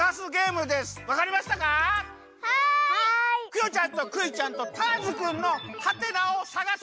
クヨちゃんとクイちゃんとターズくんのはい！